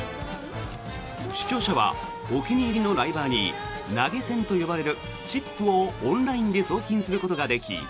視聴者はお気に入りのライバーに投げ銭と呼ばれるチップをオンラインで送金することができ